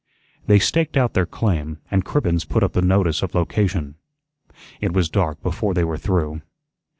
They staked out their claim, and Cribbens put up the notice of location. It was dark before they were through.